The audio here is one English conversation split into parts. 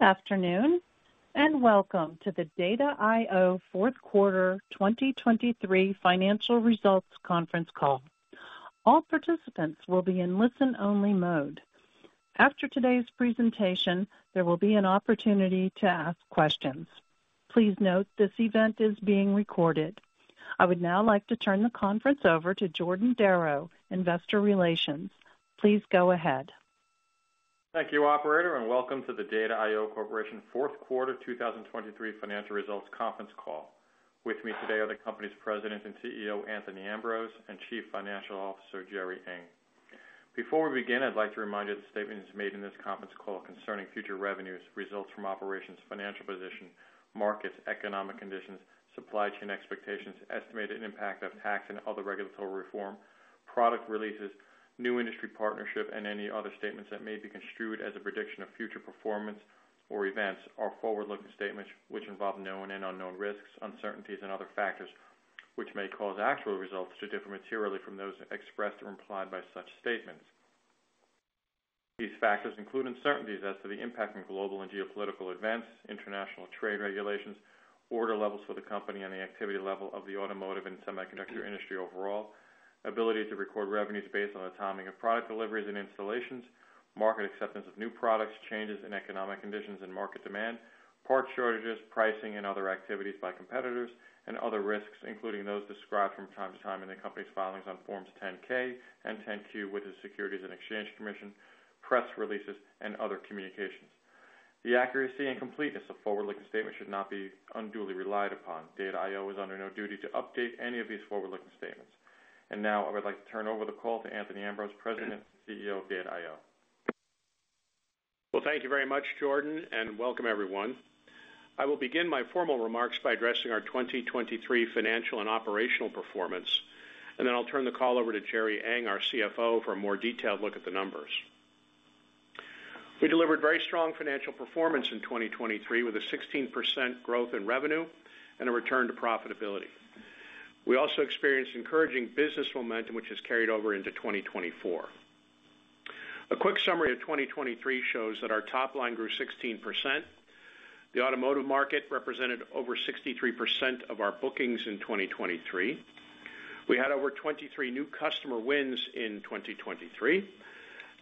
Good afternoon, and welcome to the Data I/O fourth quarter 2023 financial results conference call. All participants will be in listen-only mode. After today's presentation, there will be an opportunity to ask questions. Please note, this event is being recorded. I would now like to turn the conference over to Jordan Darrow, Investor Relations. Please go ahead. Thank you, operator, and welcome to the Data I/O Corporation fourth quarter 2023 financial results conference call. With me today are the company's President and CEO, Anthony Ambrose, and Chief Financial Officer, Gerry Ng. Before we begin, I'd like to remind you that statements made in this conference call concerning future revenues, results from operations, financial position, markets, economic conditions, supply chain expectations, estimated impact of tax and other regulatory reform, product releases, new industry partnership, and any other statements that may be construed as a prediction of future performance or events are forward-looking statements which involve known and unknown risks, uncertainties, and other factors, which may cause actual results to differ materially from those expressed or implied by such statements. These factors include uncertainties as to the impact of global and geopolitical events, international trade regulations, order levels for the company, and the activity level of the automotive and semiconductor industry overall, ability to record revenues based on the timing of product deliveries and installations, market acceptance of new products, changes in economic conditions and market demand, part shortages, pricing, and other activities by competitors, and other risks, including those described from time to time in the company's filings on Forms 10-K and 10-Q with the Securities and Exchange Commission, press releases, and other communications. The accuracy and completeness of forward-looking statements should not be unduly relied upon. Data I/O is under no duty to update any of these forward-looking statements. And now I would like to turn over the call to Anthony Ambrose, President and CEO of Data I/O. Well, thank you very much, Jordan, and welcome, everyone. I will begin my formal remarks by addressing our 2023 financial and operational performance, and then I'll turn the call over to Gerry Ng, our CFO, for a more detailed look at the numbers. We delivered very strong financial performance in 2023, with a 16% growth in revenue and a return to profitability. We also experienced encouraging business momentum, which has carried over into 2024. A quick summary of 2023 shows that our top line grew 16%. The automotive market represented over 63% of our bookings in 2023. We had over 23 new customer wins in 2023,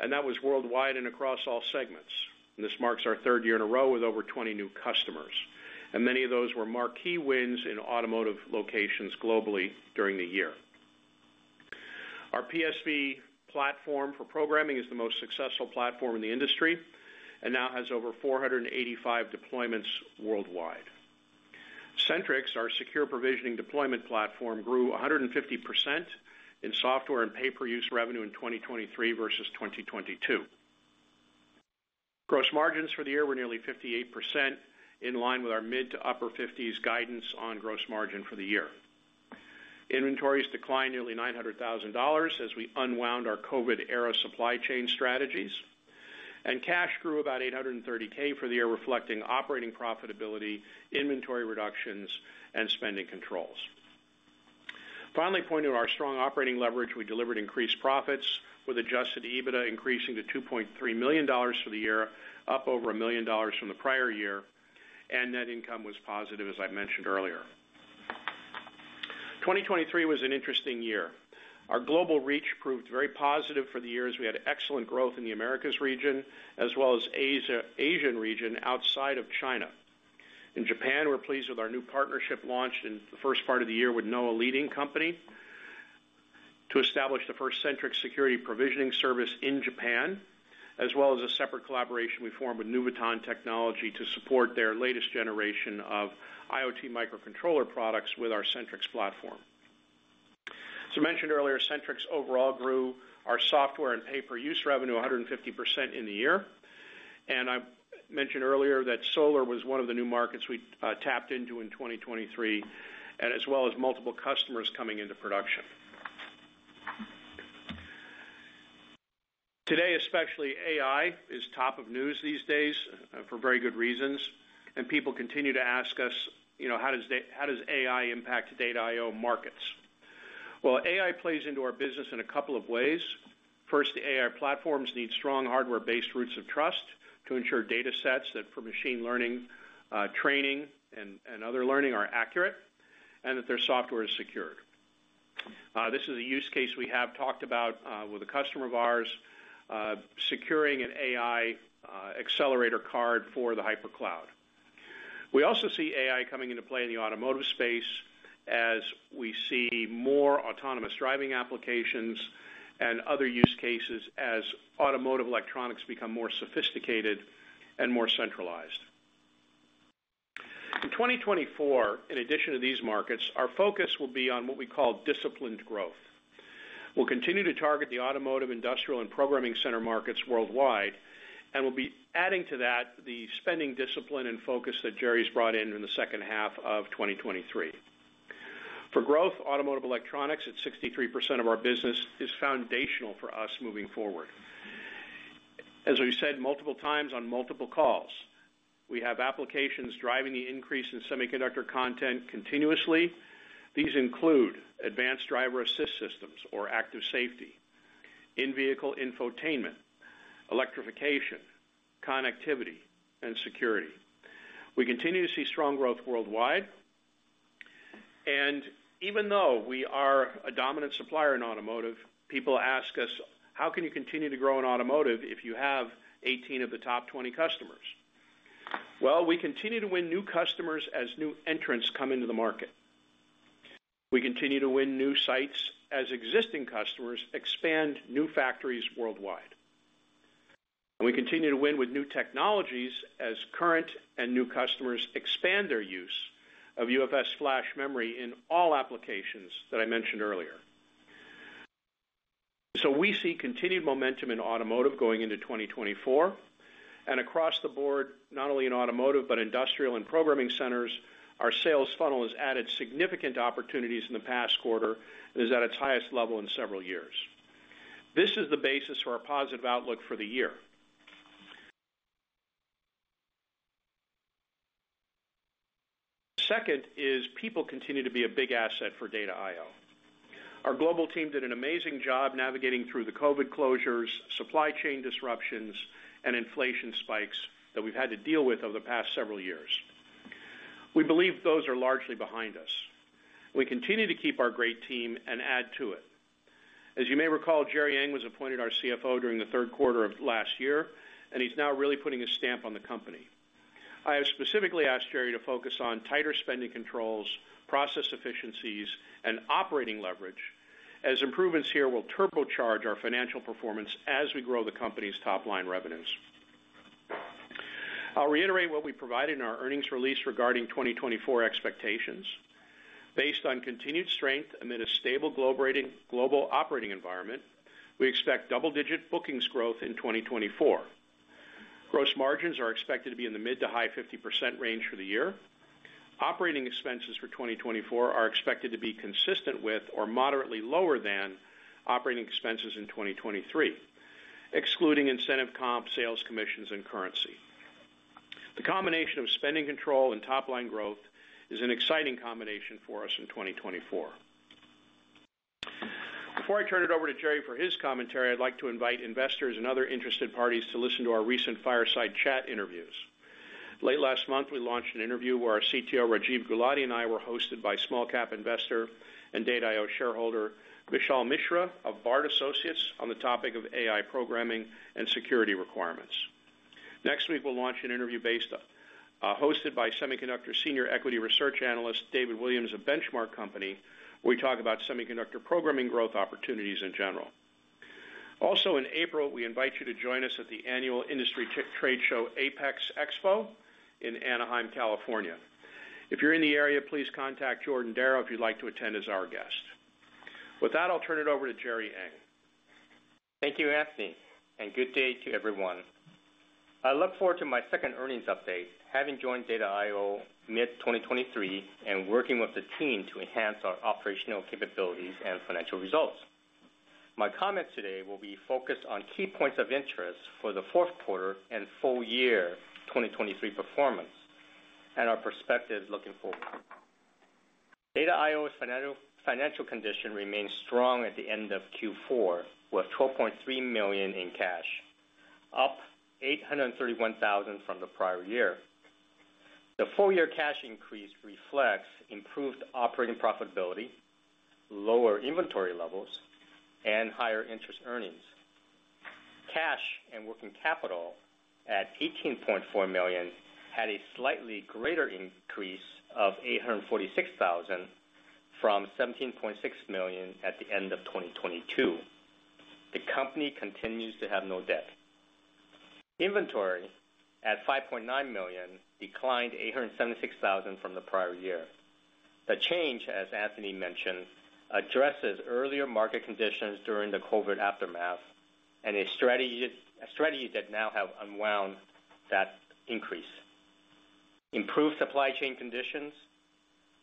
and that was worldwide and across all segments. This marks our third year in a row with over 20 new customers, and many of those were marquee wins in automotive locations globally during the year. Our PSV platform for programming is the most successful platform in the industry and now has over 485 deployments worldwide. SentriX, our secure provisioning deployment platform, grew 150% in software and pay-per-use revenue in 2023 versus 2022. Gross margins for the year were nearly 58%, in line with our mid to upper-50s guidance on gross margin for the year. Inventories declined nearly $900,000 as we unwound our COVID-era supply chain strategies, and cash grew about $830,000 for the year, reflecting operating profitability, inventory reductions, and spending controls. Finally, pointing to our strong operating leverage, we delivered increased profits, with adjusted EBITDA increasing to $2.3 million for the year, up over $1 million from the prior year, and net income was positive, as I mentioned earlier. 2023 was an interesting year. Our global reach proved very positive for the year, as we had excellent growth in the Americas region as well as Asian region outside of China. In Japan, we're pleased with our new partnership launched in the first part of the year with Nohau Corporation to establish the first SentriX Security Provisioning service in Japan, as well as a separate collaboration we formed with Nuvoton Technology to support their latest generation of IoT microcontroller products with our SentriX platform. As I mentioned earlier, SentriX overall grew our software and pay-per-use revenue 150% in the year, and I mentioned earlier that solar was one of the new markets we tapped into in 2023, and as well as multiple customers coming into production. Today, especially, AI is top of news these days for very good reasons, and people continue to ask us, you know, "How does AI impact Data I/O markets?" Well, AI plays into our business in a couple of ways. First, AI platforms need strong hardware-based roots of trust to ensure datasets that, for machine learning, training and other learning, are accurate, and that their software is secured. This is a use case we have talked about with a customer of ours, securing an AI accelerator card for the Hypercloud. We also see AI coming into play in the automotive space as we see more autonomous driving applications and other use cases as automotive electronics become more sophisticated and more centralized. In 2024, in addition to these markets, our focus will be on what we call disciplined growth. We'll continue to target the automotive, industrial, and programming center markets worldwide, and we'll be adding to that the spending discipline and focus that Gerry's brought in during the second half of 2023. For growth, automotive electronics, at 63% of our business, is foundational for us moving forward. As we've said multiple times on multiple calls, we have applications driving the increase in semiconductor content continuously. These include advanced driver-assistance systems or active safety, in-vehicle infotainment, electrification, connectivity, and security. We continue to see strong growth worldwide, and even though we are a dominant supplier in automotive, people ask us, "How can you continue to grow in automotive if you have 18 of the top 20 customers?" Well, we continue to win new customers as new entrants come into the market. We continue to win new sites as existing customers expand new factories worldwide. We continue to win with new technologies as current and new customers expand their use of UFS flash memory in all applications that I mentioned earlier. So we see continued momentum in automotive going into 2024, and across the board, not only in automotive, but industrial and programming centers, our sales funnel has added significant opportunities in the past quarter, and is at its highest level in several years. This is the basis for our positive outlook for the year. Second is, people continue to be a big asset for Data I/O. Our global team did an amazing job navigating through the COVID closures, supply chain disruptions, and inflation spikes that we've had to deal with over the past several years. We believe those are largely behind us. We continue to keep our great team and add to it. As you may recall, Gerry Ng was appointed our CFO during the third quarter of last year, and he's now really putting his stamp on the company. I have specifically asked Gerry to focus on tighter spending controls, process efficiencies, and operating leverage, as improvements here will turbocharge our financial performance as we grow the company's top-line revenues. I'll reiterate what we provided in our earnings release regarding 2024 expectations. Based on continued strength amid a stable global operating environment, we expect double-digit bookings growth in 2024. Gross margins are expected to be in the mid to high 50% range for the year. Operating expenses for 2024 are expected to be consistent with, or moderately lower than, operating expenses in 2023, excluding incentive comp, sales commissions, and currency. The combination of spending control and top-line growth is an exciting combination for us in 2024. Before I turn it over to Gerry for his commentary, I'd like to invite investors and other interested parties to listen to our recent Fireside Chat interviews. Late last month, we launched an interview where our CTO, Rajiv Gulati, and I were hosted by small cap investor and Data I/O shareholder, Vishal Mishra of Bard Associates, on the topic of AI programming and security requirements. Next week, we'll launch an interview based, hosted by semiconductor senior equity research analyst, David Williams of The Benchmark Company, where we talk about semiconductor programming growth opportunities in general. Also, in April, we invite you to join us at the annual IPC APEX EXPO in Anaheim, California. If you're in the area, please contact Jordan Darrow if you'd like to attend as our guest. With that, I'll turn it over to Gerry Ng. Thank you, Anthony, and good day to everyone. I look forward to my second earnings update, having joined Data I/O mid-2023 and working with the team to enhance our operational capabilities and financial results. My comments today will be focused on key points of interest for the fourth quarter and full year 2023 performance, and our perspectives looking forward. Data I/O's financial condition remains strong at the end of Q4, with $12.3 million in cash, up $831,000 from the prior year. The full-year cash increase reflects improved operating profitability, lower inventory levels, and higher interest earnings. Cash and working capital at $18.4 million had a slightly greater increase of $846,000 from $17.6 million at the end of 2022. The company continues to have no debt. Inventory, at $5.9 million, declined $876,000 from the prior year. The change, as Anthony mentioned, addresses earlier market conditions during the COVID aftermath, and a strategy, a strategy that now have unwound that increase. Improved supply chain conditions,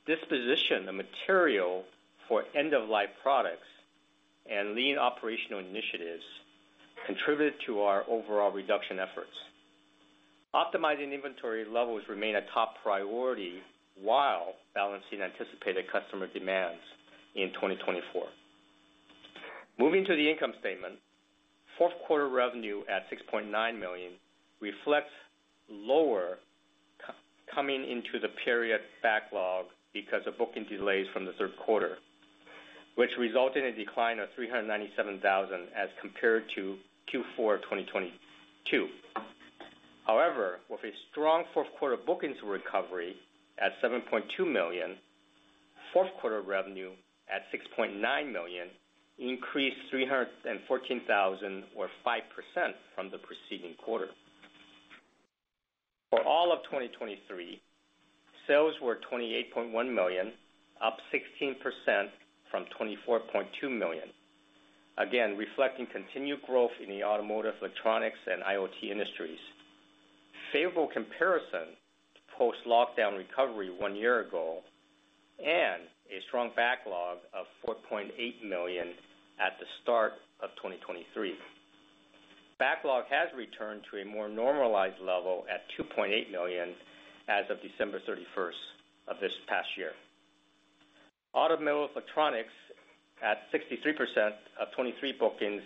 disposition of material for end-of-life products, and lean operational initiatives contributed to our overall reduction efforts. Optimizing inventory levels remain a top priority while balancing anticipated customer demands in 2024. Moving to the income statement. Fourth quarter revenue at $6.9 million reflects lower coming into the period backlog because of booking delays from the third quarter, which resulted in a decline of $397,000 as compared to Q4 of 2022. However, with a strong fourth quarter bookings recovery at $7.2 million, fourth quarter revenue at $6.9 million increased $314,000 or 5%, from the preceding quarter. For all of 2023, sales were $28.1 million, up 16% from $24.2 million. Again, reflecting continued growth in the automotive, electronics, and IoT industries. Favorable comparison to post-lockdown recovery one year ago, and a strong backlog of $4.8 million at the start of 2023. Outlook has returned to a more normalized level at $2.8 million as of December 31 of this past year. Automotive electronics, at 63% of 2023 bookings,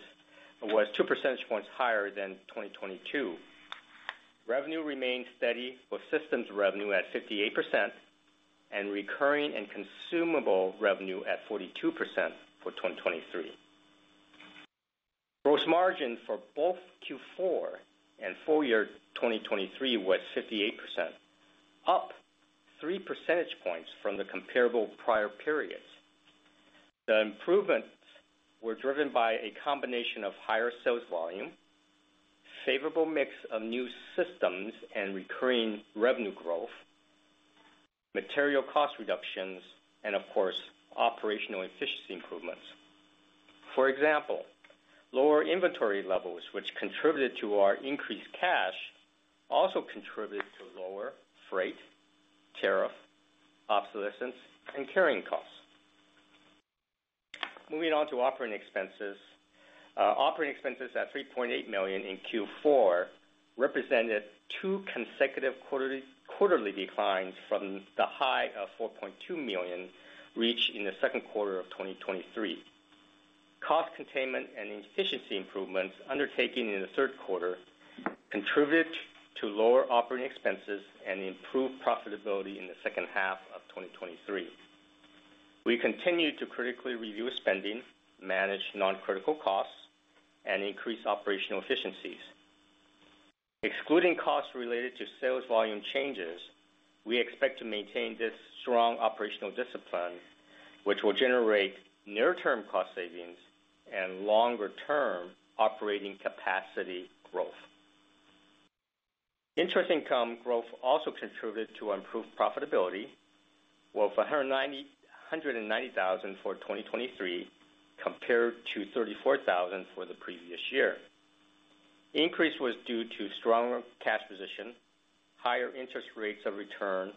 was two percentage points higher than 2022. Revenue remained steady with systems revenue at 58% and recurring and consumable revenue at 42% for 2023. Gross margin for both Q4 and full year 2023 was 58%, up 3 percentage points from the comparable prior periods. The improvements were driven by a combination of higher sales volume, favorable mix of new systems and recurring revenue growth, material cost reductions and, of course, operational efficiency improvements. For example, lower inventory levels, which contributed to our increased cash, also contributed to lower freight, tariff, obsolescence, and carrying costs. Moving on to operating expenses. Operating expenses at $3.8 million in Q4 represented two consecutive quarterly declines from the high of $4.2 million, reached in the second quarter of 2023. Cost containment and efficiency improvements undertaken in the third quarter contributed to lower operating expenses and improved profitability in the second half of 2023. We continued to critically review spending, manage non-critical costs, and increase operational efficiencies. Excluding costs related to sales volume changes, we expect to maintain this strong operational discipline, which will generate near-term cost savings and longer-term operating capacity growth. Interest income growth also contributed to improved profitability, with $190,000 for 2023, compared to $34,000 for the previous year. The increase was due to stronger cash position, higher interest rates of return,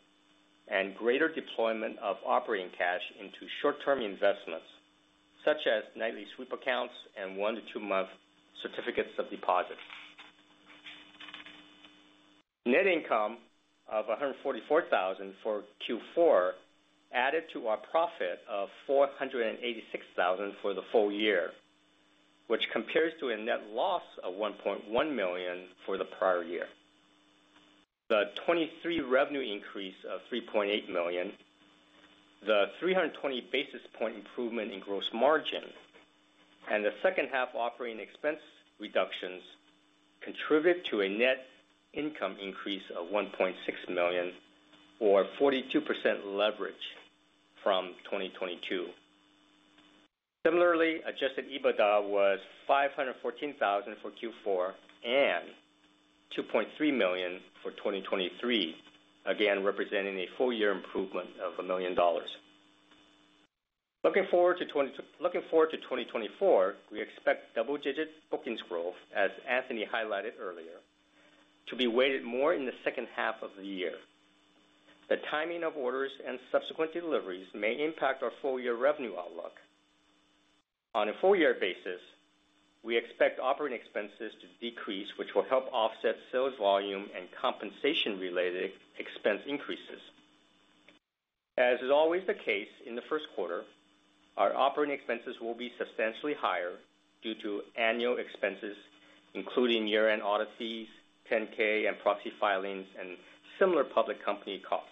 and greater deployment of operating cash into short-term investments such as nightly sweep accounts and one to two month certificates of deposit. Net income of $144,000 for Q4 added to our profit of $486,000 for the full year, which compares to a net loss of $1.1 million for the prior year. The 2023 revenue increase of $3.8 million, the 320 basis point improvement in gross margin, and the second half operating expense reductions contributed to a net income increase of $1.6 million, or 42% leverage from 2022. Similarly, adjusted EBITDA was $514,000 for Q4 and $2.3 million for 2023, again, representing a full year improvement of $1 million. Looking forward to 2024, we expect double-digit bookings growth, as Anthony highlighted earlier, to be weighted more in the second half of the year. The timing of orders and subsequent deliveries may impact our full-year revenue outlook. On a full-year basis, we expect operating expenses to decrease, which will help offset sales volume and compensation-related expense increases. As is always the case in the first quarter, our operating expenses will be substantially higher due to annual expenses, including year-end audit fees, 10-K and proxy filings, and similar public company costs.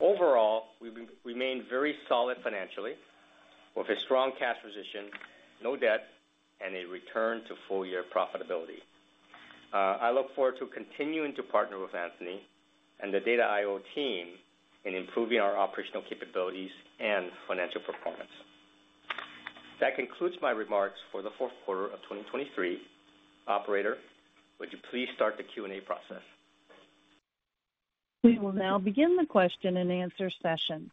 Overall, we remain very solid financially, with a strong cash position, no debt, and a return to full-year profitability. I look forward to continuing to partner with Anthony and the Data I/O team in improving our operational capabilities and financial performance. That concludes my remarks for the fourth quarter of 2023. Operator, would you please start the Q&A process? We will now begin the question-and-answer session.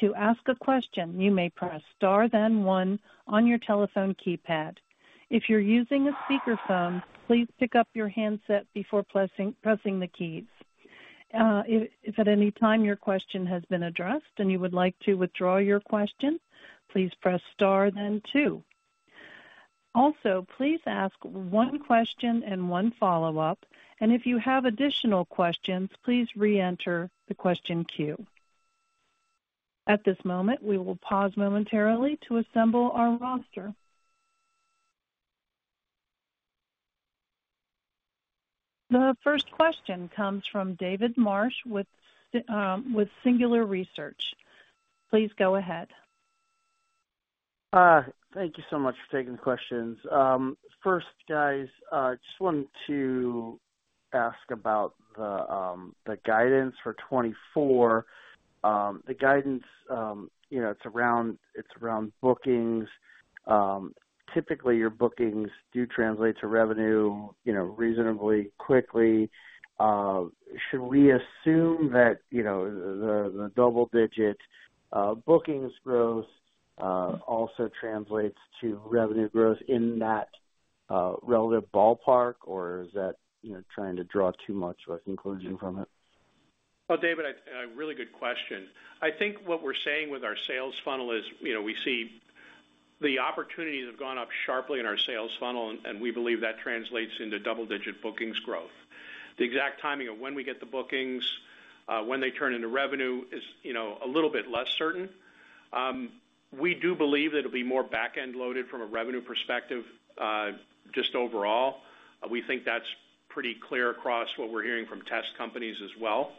To ask a question, you may press Star then one on your telephone keypad. If you're using a speakerphone, please pick up your handset before pressing the keys. If at any time your question has been addressed and you would like to withdraw your question, please press Star then two. Also, please ask one question and one follow-up, and if you have additional questions, please reenter the question queue. At this moment, we will pause momentarily to assemble our roster. The first question comes from David Marsh with Singular Research. Please go ahead. Thank you so much for taking the questions. First, guys, just wanted to ask about the guidance for 2024. The guidance, you know, it's around bookings. Typically, your bookings do translate to revenue, you know, reasonably quickly. Should we assume that, you know, the double-digit bookings growth also translates to revenue growth in that relative ballpark? Or is that, you know, trying to draw too much of a conclusion from it?... Well, David, a really good question. I think what we're saying with our sales funnel is, you know, we see the opportunities have gone up sharply in our sales funnel, and we believe that translates into double-digit bookings growth. The exact timing of when we get the bookings, when they turn into revenue is, you know, a little bit less certain. We do believe that it'll be more back-end loaded from a revenue perspective, just overall. We think that's pretty clear across what we're hearing from test companies as well.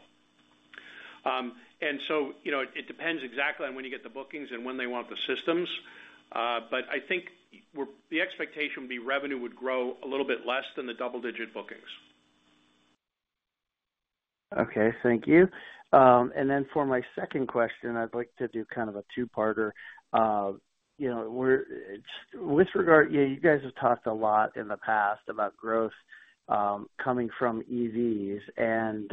And so, you know, it depends exactly on when you get the bookings and when they want the systems. But I think the expectation would be revenue would grow a little bit less than the double-digit bookings. Okay, thank you. And then for my second question, I'd like to do kind of a two-parter. You know, you guys have talked a lot in the past about growth coming from EVs, and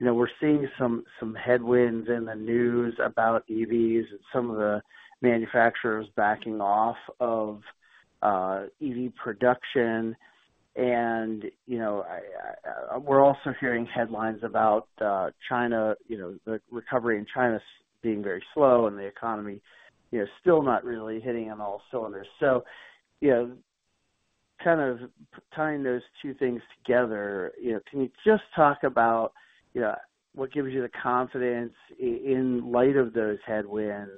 you know, we're seeing some headwinds in the news about EVs and some of the manufacturers backing off of EV production. And you know, we're also hearing headlines about China, you know, the recovery in China being very slow and the economy, you know, still not really hitting on all cylinders. So, you know, kind of tying those two things together, you know, can you just talk about, you know, what gives you the confidence in light of those headwinds,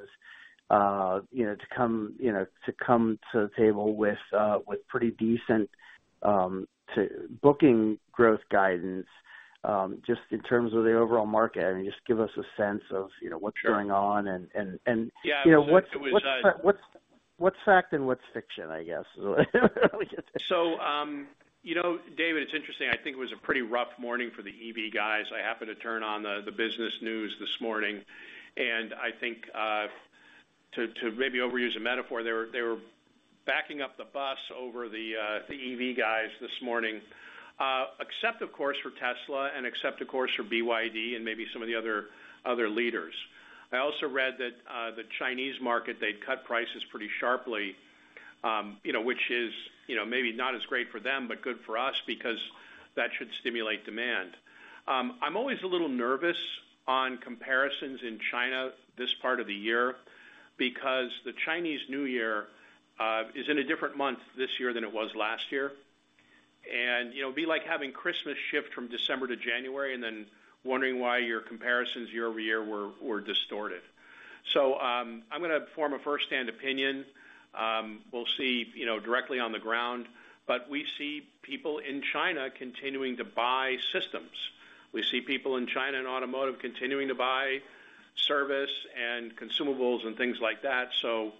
you know, to come, you know, to come to the table with, with pretty decent, to booking growth guidance, just in terms of the overall market? I mean, just give us a sense of, you know, what's going on- Sure. And, and, and- Yeah, it was. You know, what's fact and what's fiction, I guess, is what... So, you know, David, it's interesting. I think it was a pretty rough morning for the EV guys. I happened to turn on the business news this morning, and I think, to maybe overuse a metaphor, they were backing up the bus over the EV guys this morning. Except, of course, for Tesla and except, of course, for BYD and maybe some of the other leaders. I also read that the Chinese market, they'd cut prices pretty sharply, you know, which is, you know, maybe not as great for them, but good for us because that should stimulate demand. I'm always a little nervous on comparisons in China this part of the year, because the Chinese New Year is in a different month this year than it was last year. You know, it'd be like having Christmas shift from December to January and then wondering why your comparisons year over year were distorted. So, I'm gonna form a firsthand opinion. We'll see, you know, directly on the ground, but we see people in China continuing to buy systems. We see people in China, in automotive, continuing to buy service and consumables and things like that. So,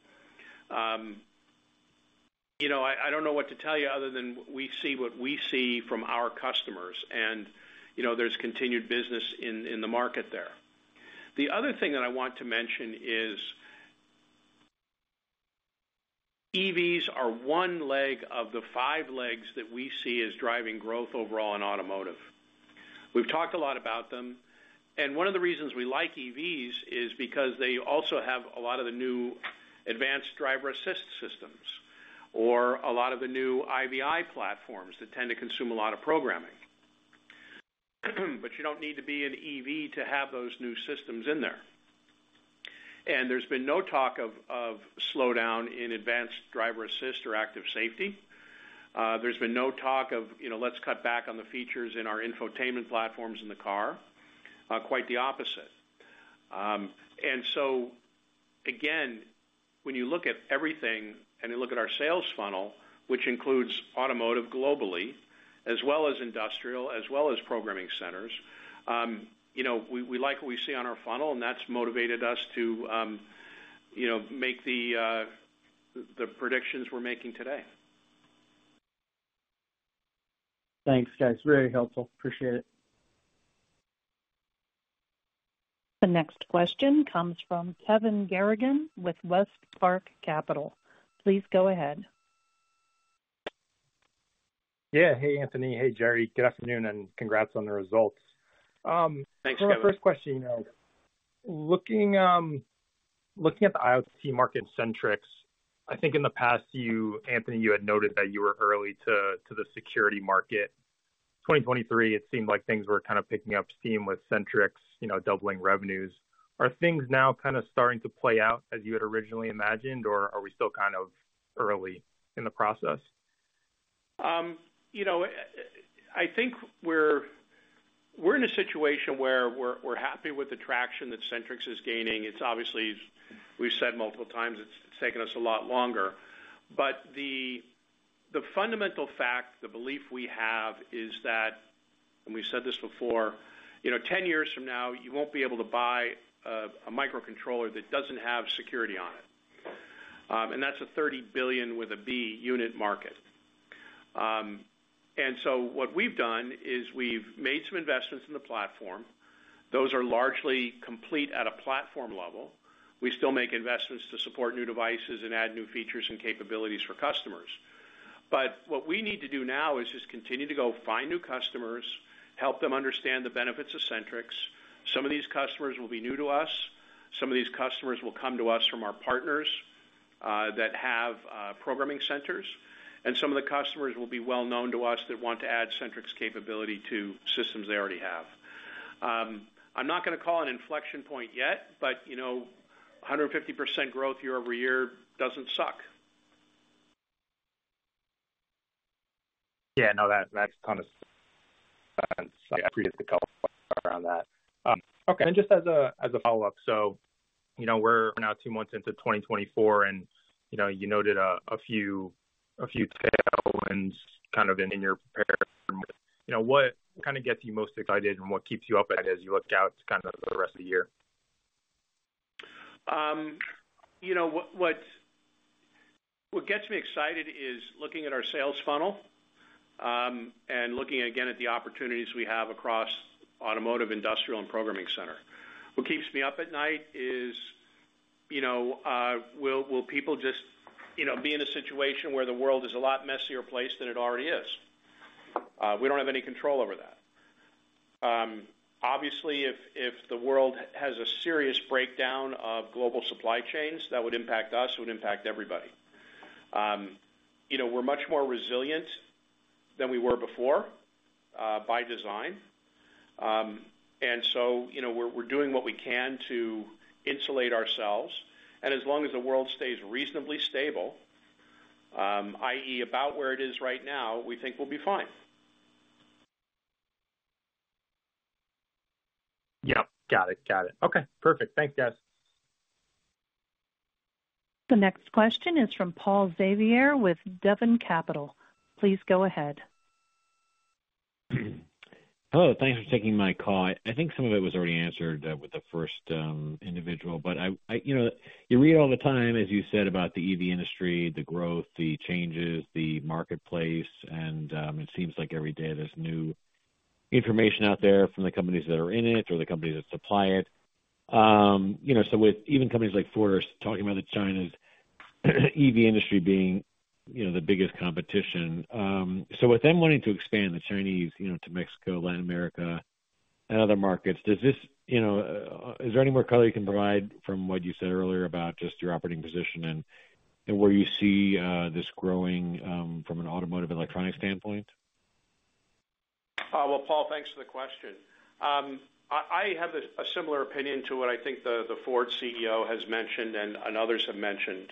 you know, I don't know what to tell you other than we see what we see from our customers. And, you know, there's continued business in the market there. The other thing that I want to mention is, EVs are one leg of the five legs that we see as driving growth overall in automotive. We've talked a lot about them, and one of the reasons we like EVs is because they also have a lot of the new advanced driver-assistance systems, or a lot of the new IVI platforms that tend to consume a lot of programming. But you don't need to be an EV to have those new systems in there. And there's been no talk of, of slowdown in advanced driver-assistance or active safety. There's been no talk of, you know, let's cut back on the features in our infotainment platforms in the car. Quite the opposite. And so, again, when you look at everything and you look at our sales funnel, which includes automotive globally, as well as industrial, as well as programming centers, you know, we like what we see on our funnel, and that's motivated us to, you know, make the predictions we're making today. Thanks, guys. Very helpful. Appreciate it. The next question comes from Kevin Garrigan with Westpark Capital. Please go ahead. Yeah. Hey, Anthony. Hey, Gerry. Good afternoon, and congrats on the results. Thanks, Kevin. So the first question, you know, looking, looking at the IoT market SentriX, I think in the past, you, Anthony, you had noted that you were early to, to the security market. 2023, it seemed like things were kind of picking up steam with SentriX, you know, doubling revenues. Are things now kind of starting to play out as you had originally imagined, or are we still kind of early in the process? You know, I think we're in a situation where we're happy with the traction that SentriX is gaining. It's obviously, we've said multiple times, it's taken us a lot longer. But the fundamental fact, the belief we have is that, and we've said this before, you know, 10 years from now, you won't be able to buy a microcontroller that doesn't have security on it. And that's a 30 billion with a B unit market. And so what we've done is we've made some investments in the platform. Those are largely complete at a platform level. We still make investments to support new devices and add new features and capabilities for customers. But what we need to do now is just continue to go find new customers, help them understand the benefits of SentriX. Some of these customers will be new to us. Some of these customers will come to us from our partners that have programming centers, and some of the customers will be well known to us that want to add SentriX capability to systems they already have. I'm not gonna call an inflection point yet, but, you know, 150% growth year-over-year doesn't suck. Yeah, no, that's kind of around that. Okay. And just as a follow-up, so, you know, we're now two months into 2024, and, you know, you noted a few tailwinds kind of in your prepared remarks. You know, what kind of gets you most excited and what keeps you up at night as you look out to kind of the rest of the year? You know, what gets me excited is looking at our sales funnel, and looking again at the opportunities we have across automotive, industrial, and programming center. What keeps me up at night is, you know, will people just, you know, be in a situation where the world is a lot messier place than it already is? We don't have any control over that. Obviously, if the world has a serious breakdown of global supply chains, that would impact us, it would impact everybody. You know, we're much more resilient than we were before, by design. And so, you know, we're doing what we can to insulate ourselves. And as long as the world stays reasonably stable, i.e., about where it is right now, we think we'll be fine. Yep. Got it. Got it. Okay, perfect. Thanks, guys. The next question is from Paul Xavier with Devon Capital. Please go ahead. Hello, thanks for taking my call. I think some of it was already answered with the first individual, but I... You know, you read all the time, as you said, about the EV industry, the growth, the changes, the marketplace, and it seems like every day there's new information out there from the companies that are in it or the companies that supply it. You know, so with even companies like Ford talking about China's EV industry being, you know, the biggest competition. So with them wanting to expand the Chinese, you know, to Mexico, Latin America, and other markets, does this, you know, is there any more color you can provide from what you said earlier about just your operating position and where you see this growing from an automotive electronics standpoint? Well, Paul, thanks for the question. I have a similar opinion to what I think the Ford CEO has mentioned, and others have mentioned,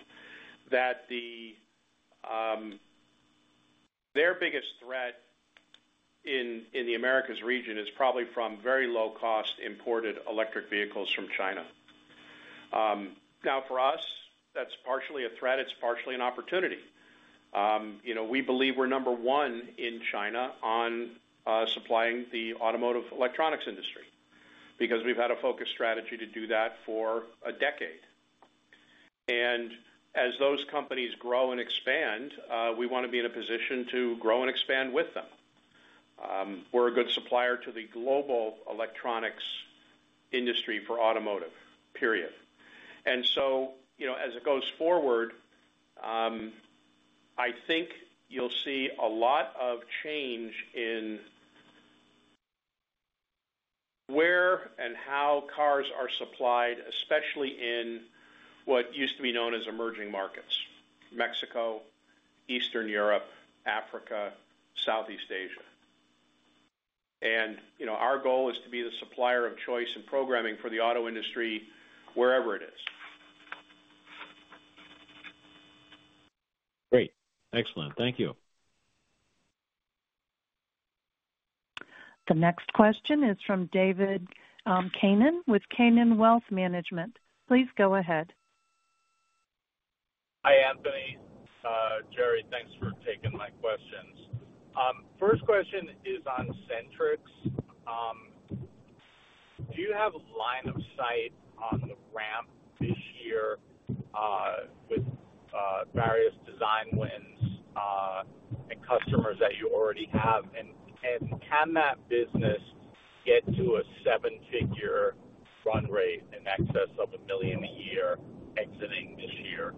that their biggest threat in the Americas region is probably from very low-cost imported electric vehicles from China. Now, for us, that's partially a threat, it's partially an opportunity. You know, we believe we're number one in China on supplying the automotive electronics industry, because we've had a focused strategy to do that for a decade. And as those companies grow and expand, we wanna be in a position to grow and expand with them. We're a good supplier to the global electronics industry for automotive, period. So, you know, as it goes forward, I think you'll see a lot of change in where and how cars are supplied, especially in what used to be known as emerging markets, Mexico, Eastern Europe, Africa, Southeast Asia. You know, our goal is to be the supplier of choice in programming for the auto industry, wherever it is. Great. Excellent. Thank you. The next question is from David Kanen, with Kanen Wealth Management. Please go ahead. Hi, Anthony., Gerry, thanks for taking my questions. First question is on SentriX. Do you have line of sight on the ramp this year, with various design wins, and customers that you already have? And can that business get to a seven-figure run rate in excess of a million a year exiting this year?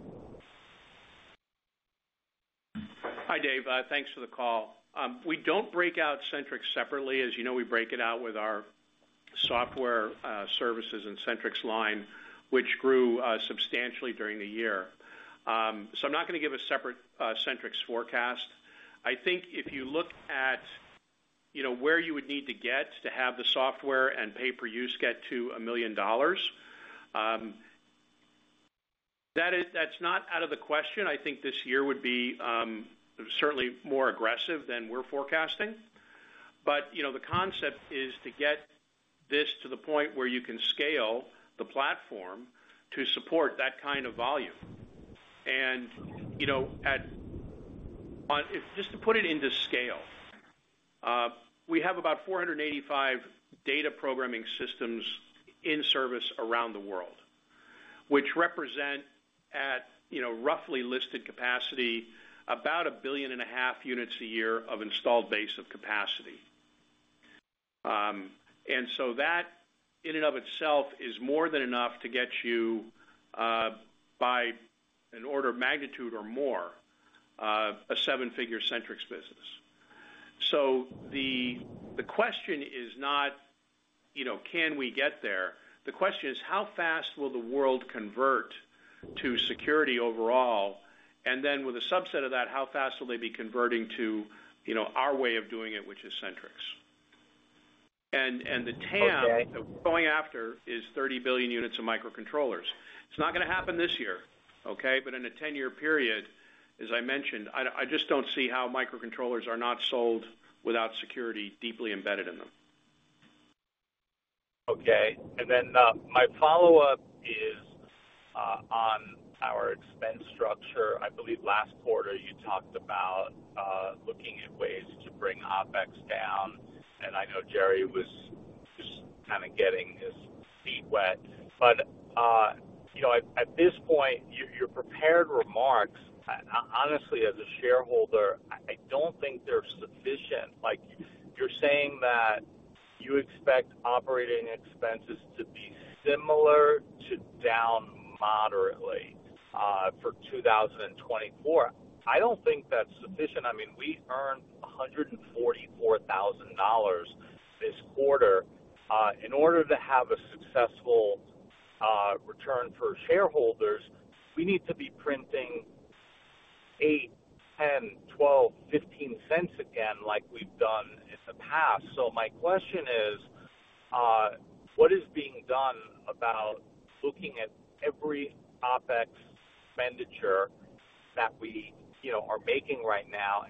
Hi, Dave. Thanks for the call. We don't break out SentriX separately. As you know, we break it out with our software, services and SentriX line, which grew substantially during the year. So I'm not gonna give a separate SentriX forecast. I think if you look at, you know, where you would need to get to have the software and pay per use get to $1 million, that is, that's not out of the question. I think this year would be certainly more aggressive than we're forecasting. But, you know, the concept is to get this to the point where you can scale the platform to support that kind of volume. And, you know, at... On, just to put it into scale, we have about 485 data programming systems in service around the world, which represent at, you know, roughly listed capacity, about 1.5 billion units a year of installed base of capacity. And so that in and of itself is more than enough to get you by an order of magnitude or more a seven-figure SentriX business. So the question is not, you know, can we get there? The question is, how fast will the world convert to security overall? And then with a subset of that, how fast will they be converting to, you know, our way of doing it, which is SentriX? And the TAM that we're going after is 30 billion units of microcontrollers. It's not going to happen this year, okay? But in a 10-year period, as I mentioned, I just don't see how microcontrollers are not sold without security deeply embedded in them. Okay, and then my follow-up is on our expense structure. I believe last quarter you talked about looking at ways to bring OpEx down, and I know Gerry was just kind of getting his feet wet. But you know, at this point, your prepared remarks honestly, as a shareholder, I don't think they're sufficient. Like, you're saying that you expect operating expenses to be similar to down moderately for 2024. I don't think that's sufficient. I mean, we earned $144,000 this quarter. In order to have a successful return for shareholders, we need to be printing $0.08, $0.10, $0.12, $0.15 again, like we've done in the past. So my question is, what is being done about looking at every OpEx expenditure that we you know are making right now?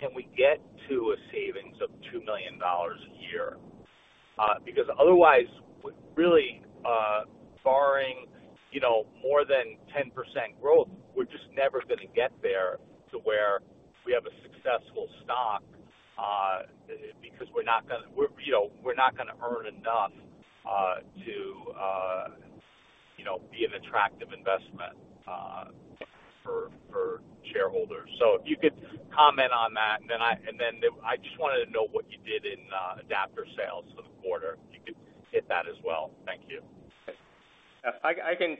Can we get to a savings of $2 million a year? Because otherwise, we really, barring, you know, more than 10% growth, we're just never going to get there to where we have a successful stock, because we're not gonna earn enough to you know, be an attractive investment for shareholders. So if you could comment on that, and then I just wanted to know what you did in adapter sales for the quarter. If you could hit that as well. Thank you. I, I can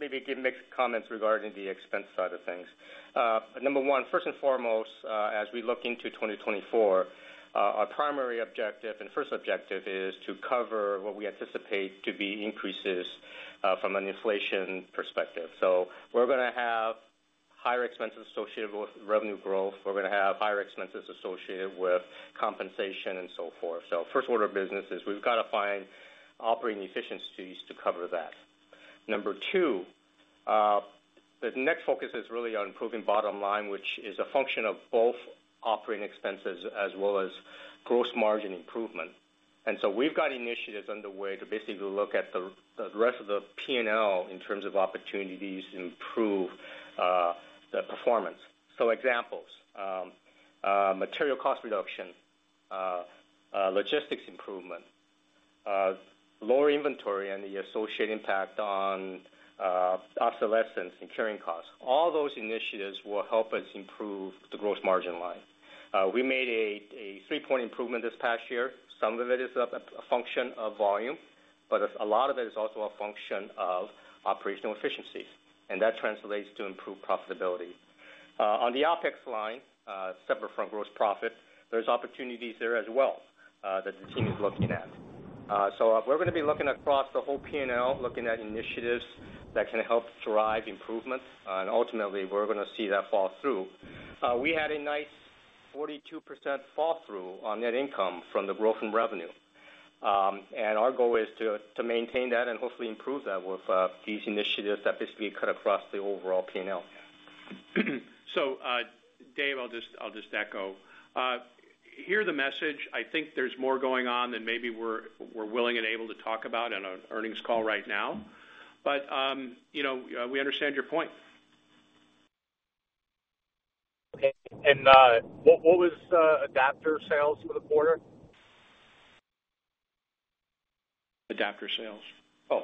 maybe give mixed comments regarding the expense side of things. Number one, first and foremost, as we look into 2024, our primary objective and first objective is to cover what we anticipate to be increases, from an inflation perspective. So we're going to have higher expenses associated with revenue growth. We're going to have higher expenses associated with compensation and so forth. So first order of business is we've got to find operating efficiencies to cover that. Number two, the next focus is really on improving bottom line, which is a function of both operating expenses as well as gross margin improvement. And so we've got initiatives underway to basically look at the rest of the P&L in terms of opportunities to improve, the performance. So examples, material cost reduction, logistics improvement, lower inventory and the associated impact on obsolescence and carrying costs. All those initiatives will help us improve the gross margin line. We made a three point improvement this past year. Some of it is a function of volume, but a lot of it is also a function of operational efficiencies, and that translates to improved profitability. On the OpEx line, separate from gross profit, there's opportunities there as well, that the team is looking at. So we're going to be looking across the whole P&L, looking at initiatives that can help drive improvement, and ultimately, we're going to see that fall through. We had a nice 42% fall through on net income from the growth in revenue. Our goal is to maintain that and hopefully improve that with these initiatives that basically cut across the overall P&L. So, Dave, I'll just, I'll just echo. Hear the message. I think there's more going on than maybe we're willing and able to talk about in an earnings call right now. But, you know, we understand your point. Okay. What was adapter sales for the quarter? Adapter sales? Oh.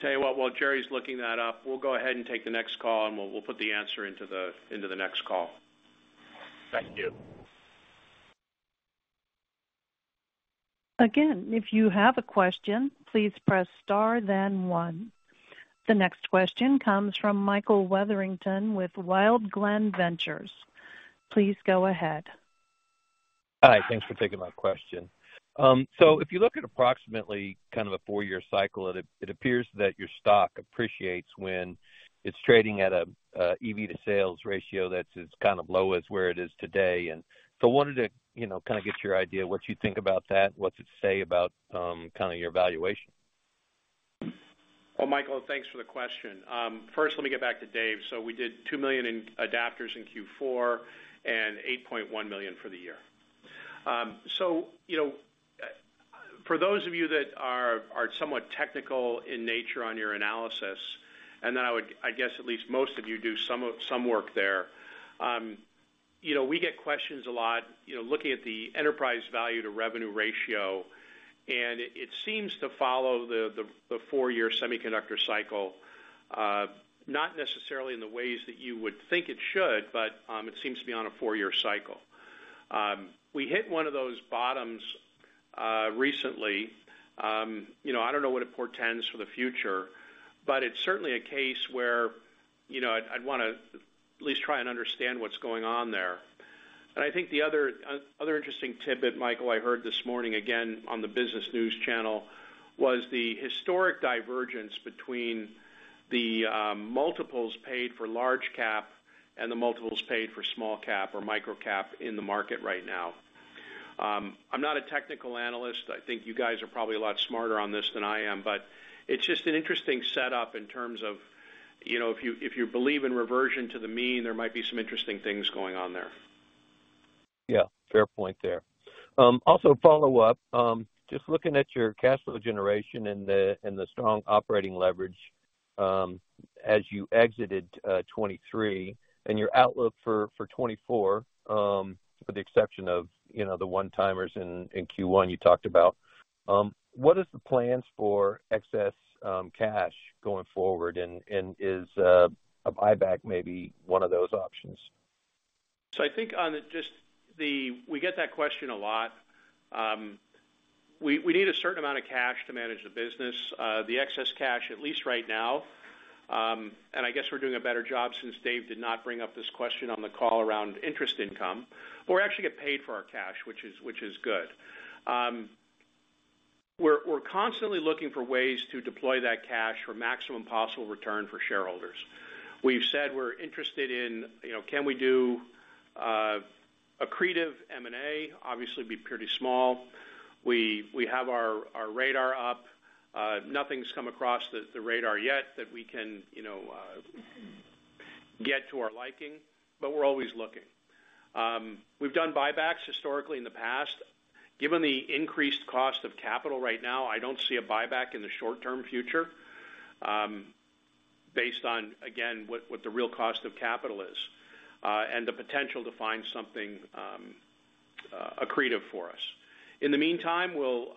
Tell you what, while Gerry's looking that up, we'll go ahead and take the next call, and we'll put the answer into the next call. Thank you. Again, if you have a question, please press star, then one. The next question comes from Michael Wetherington with WildGlen Ventures. Please go ahead. Hi, thanks for taking my question. So if you look at approximately kind of a four-year cycle, it appears that your stock appreciates when it's trading at a EV to sales ratio that's as kind of low as where it is today. And so wanted to, you know, kind of get your idea, what you think about that, what's it say about kind of your valuation? Well, Michael, thanks for the question. First, let me get back to Dave. So we did $2 million in adapters in Q4 and $8.1 million for the year. So you know, for those of you that are somewhat technical in nature on your analysis, and then I would... I guess at least most of you do some work there. You know, we get questions a lot, you know, looking at the enterprise value to revenue ratio, and it seems to follow the four-year semiconductor cycle, not necessarily in the ways that you would think it should, but it seems to be on a four-year cycle. We hit one of those bottoms recently. You know, I don't know what it portends for the future, but it's certainly a case where, you know, I'd, I'd wanna at least try and understand what's going on there. And I think the other, other interesting tidbit, Michael, I heard this morning, again, on the business news channel, was the historic divergence between the multiples paid for large cap and the multiples paid for small cap or micro cap in the market right now. I'm not a technical analyst. I think you guys are probably a lot smarter on this than I am, but it's just an interesting setup in terms of, you know, if you, if you believe in reversion to the mean, there might be some interesting things going on there. Yeah, fair point there. Also follow up, just looking at your cash flow generation and the, and the strong operating leverage, as you exited 2023, and your outlook for 2024, with the exception of, you know, the one-timers in Q1 you talked about. What is the plans for excess cash going forward, and is a buyback maybe one of those options? So I think on just the... We get that question a lot. We, we need a certain amount of cash to manage the business. The excess cash, at least right now, and I guess we're doing a better job since Dave did not bring up this question on the call around interest income. We actually get paid for our cash, which is, which is good. We're, we're constantly looking for ways to deploy that cash for maximum possible return for shareholders. We've said we're interested in, you know, can we do, accretive M&A? Obviously, be pretty small. We, we have our, our radar up. Nothing's come across the, the radar yet that we can, you know, get to our liking, but we're always looking. We've done buybacks historically in the past. Given the increased cost of capital right now, I don't see a buyback in the short-term future, based on, again, what the real cost of capital is, and the potential to find something accretive for us. In the meantime, we'll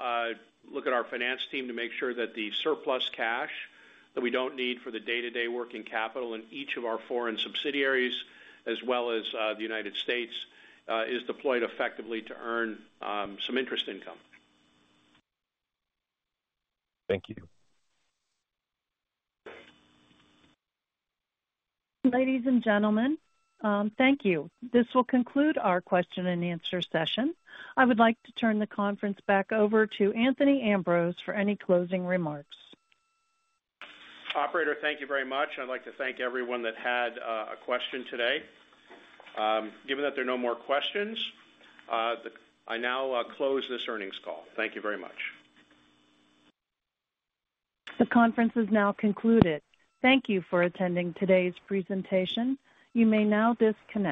look at our finance team to make sure that the surplus cash that we don't need for the day-to-day working capital in each of our foreign subsidiaries, as well as the United States, is deployed effectively to earn some interest income. Thank you. Ladies and gentlemen, thank you. This will conclude our question-and-answer session. I would like to turn the conference back over to Anthony Ambrose for any closing remarks. Operator, thank you very much. I'd like to thank everyone that had a question today. Given that there are no more questions, I now close this earnings call. Thank you very much. The conference is now concluded. Thank you for attending today's presentation. You may now disconnect.